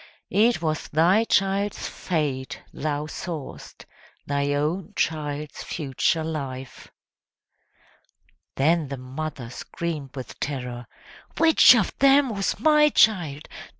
it was thy child's fate thou saw'st thy own child's future life!" Then the mother screamed with terror, "Which of them was my child?